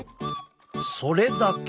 それだけ。